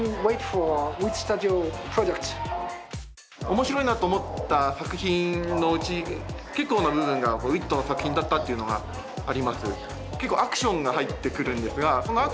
面白いなと思った作品のうち結構な部分がＷＩＴの作品だったっていうのがあります。